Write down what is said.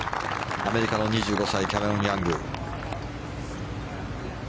アメリカの２５歳キャメロン・ヤング。